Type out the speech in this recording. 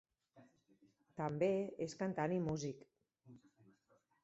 També és cantant i músic.